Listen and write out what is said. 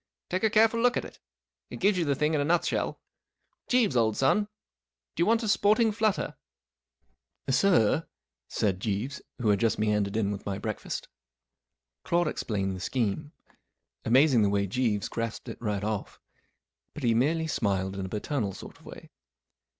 Take a careful look at it. It gives you the thing in a nutshell. Jeeves, old son, do you want a sporting flutter ?" 44 Sir ?" said Jeeves, who had just meandered in with my breakfast. Claude explained the scheme. Amazing the way Jeeves grasped it right off. But he merely smiled in a paternal sort of way.